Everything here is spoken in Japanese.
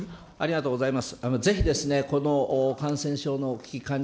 ありがとうございます。